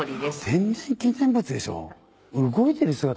天然記念物でしょ。